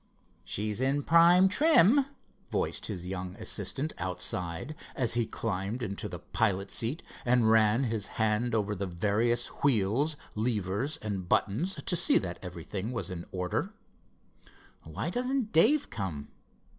"She's in prime trim," voiced his young assistant outside, as he climbed into the pilot seat and ran his hand over the various wheels, levers and buttons, to see that everything was in order. "Why doesn't Dave come?"